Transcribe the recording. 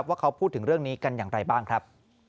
ว่าเขาพูดถึงเรื่องนี้กันอย่างไรบ้างครับ